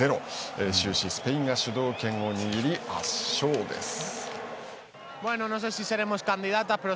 終始、スペインが主導権を握り圧勝です。